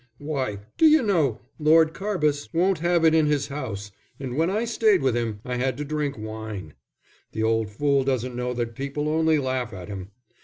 Why, do you know, Lord Carbis won't have it in his house, and when I stayed with him, I had to drink wine. The old fool doesn't know that people only laugh at him.